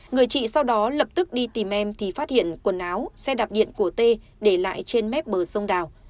người chị sau đó lập tức đi tìm em thì phát hiện quần áo xe đạp điện của t để lại trên mép bờ sông đào